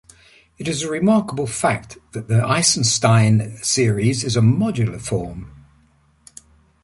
It is a remarkable fact that the Eisenstein series is a modular form.